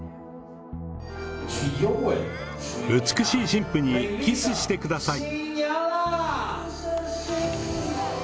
美しい新婦にキスしてください。